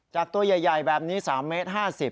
จับตัวใหญ่แบบนี้๓เมตร๕๐บาท